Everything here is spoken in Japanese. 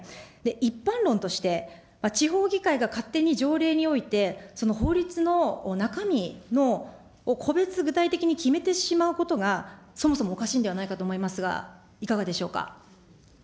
一般論として、地方議会が勝手に条例において、その法律の中身を個別具体的に決めてしまうことが、そもそもおかしいんではないかと思いますが、いかがでしょうか。